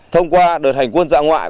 thông qua đợt hành quân dã ngoại